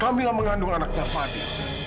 kamilah mengandung anaknya fadil